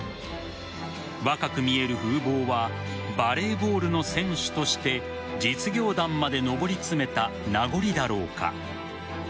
若く見える風貌はバレーボールの選手として実業団まで上り詰めた名残だろうか。